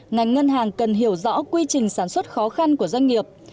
ngành ngân hàng cần hiểu rõ quy trình sản xuất khó khăn của doanh nghiệp